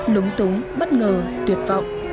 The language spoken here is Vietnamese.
lúng túng bất ngờ tuyệt vọng